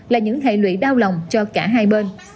là những thầy luyện